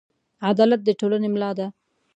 عدالت د ټولنې ملا ده.